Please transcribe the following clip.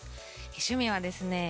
趣味はですね